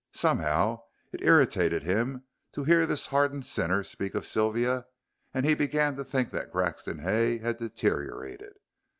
Somehow it irritated him to hear this hardened sinner speak of Sylvia, and he began to think that Grexon Hay had deteriorated.